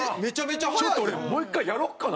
ちょっと俺もう１回やろうかな。